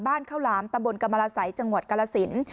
บ้านข้าวหลามตำบลกำลาสัยจังหวัดกาลสิน